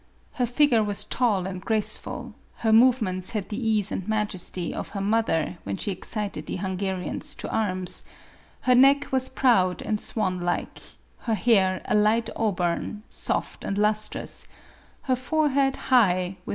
Her figure was tall and graceful ; her movements had the ease and majesty of her mother when she excited the Hungarians to arms ; her neck was proud and swan like ; her hair a light auburn, soft and lustrous ; her forehead high, with MARIE ANTOINETTE.